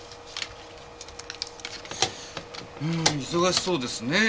忙しそうですね。